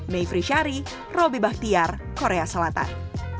mayfree syari robby bakhtiar korea selatan